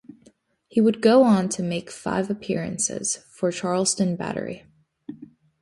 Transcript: He would go on to make five appearances for Charleston Battery.